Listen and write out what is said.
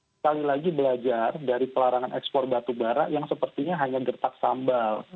sekali lagi belajar dari pelarangan ekspor batu bara yang sepertinya hanya gertak sambal